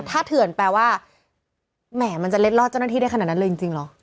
ถ้าเถื่อนแปลว่าแหมมันจะเล็ดลอดเจ้าหน้าที่ได้ขนาดนั้นเลยจริงเหรอ